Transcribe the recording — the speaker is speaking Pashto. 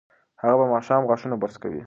هغه به ماښام غاښونه برس کوي.